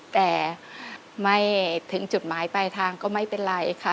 แต่ไม่ถึงจุดหมายปลายทางก็ไม่เป็นไรค่ะ